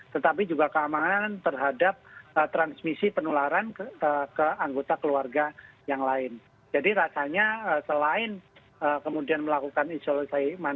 tetapi juga keamanan terhadap penyakit penyakit lain maupun kemungkinan terjadi kecelakaan lain